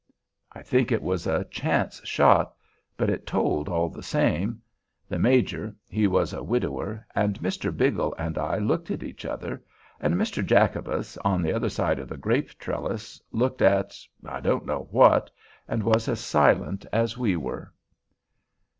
I think it was a chance shot; but it told all the same. The Major (he was a widower) and Mr. Biggle and I looked at each other; and Mr. Jacobus, on the other side of the grape trellis, looked at—I don't know what—and was as silent as we were.